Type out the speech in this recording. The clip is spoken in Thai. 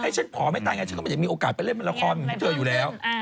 ฉันก็จะมีโอกาสไปเล่นราคอนเจออยู่แล้ว